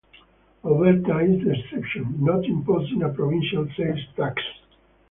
Alberta is the exception, not imposing a provincial sales tax.